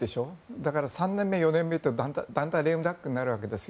だから３年目、４年目ってだんだんレームダックになるんですよ。